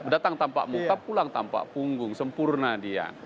datang tanpa muka pulang tanpa punggung sempurna dia